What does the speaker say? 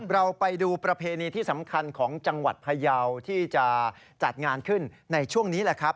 เราไปดูประเพณีที่สำคัญของจังหวัดพยาวที่จะจัดงานขึ้นในช่วงนี้แหละครับ